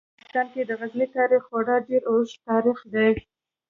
په افغانستان کې د غزني تاریخ خورا ډیر اوږد تاریخ دی.